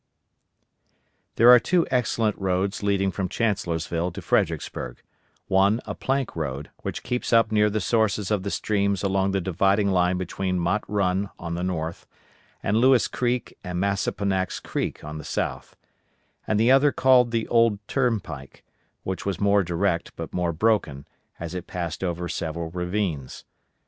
There are two excellent roads leading from Chancellorsville to Fredericksburg one a plank road, which keeps up near the sources of the streams along the dividing line between Mott Run on the north and Lewis Creek and Massaponax Creek on the South, and the other called the old turnpike, which was more direct but more broken, as it passed over several ravines.